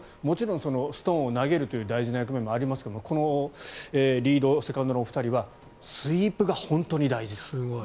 もちろんストーンを投げるという大事な役目もありますがこのリード、セカンドのお二人はスイープが本当に大事。